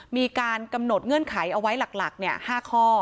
มีการกำหนดเงื่อนไขเอาไว้หลัก๕ข้อ